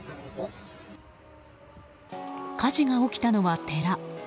火事が起きたのは寺。